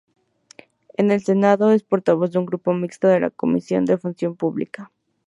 En el Senado, es portavoz del Grupo Mixto en la Comisión de Función Pública.